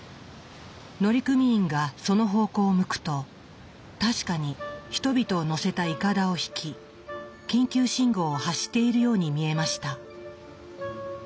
乗組員がその方向を向くと確かに人々を乗せたいかだを引き緊急信号を発しているように見えました。